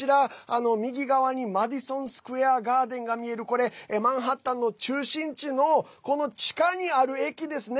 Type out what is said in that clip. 右側にマディソンスクエアガーデンが見えるマンハッタン中心地のこの地下にある駅ですね。